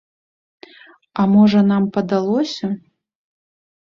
А можа, нам падалося?